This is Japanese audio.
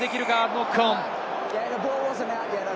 ノックオン。